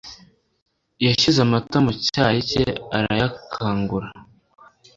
Yashyize amata mu cyayi cye arayakangura.